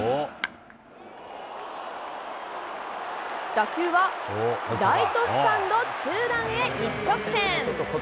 打球は、ライトスタンド中段へ一直線。